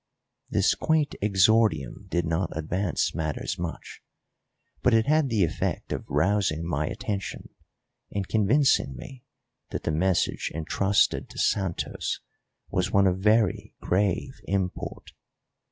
This quaint exordium did not advance matters much, but it had the effect of rousing my attention and convincing me that the message entrusted to Santos was one of very grave import.